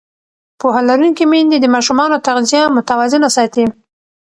پوهه لرونکې میندې د ماشومانو تغذیه متوازنه ساتي.